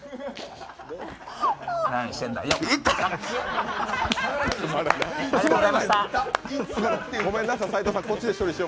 何してんだよ！